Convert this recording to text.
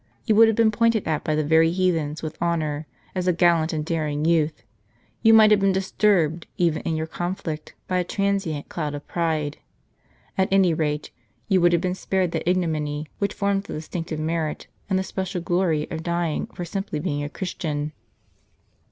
You would have been pointed at by the veiy heathens with honor, as a gallant and daring youth ; you might have been disturbed, even in your conflict, by a transient cloud of pride ; at any rate, you would have been spared that ignominy which forms the distinctive merit and the special glory of dying for sim ply being a Christian."